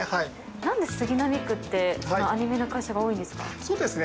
なんで杉並区ってアニメの会社が多いんですか？